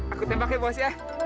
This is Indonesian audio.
aku tembak ya bos ya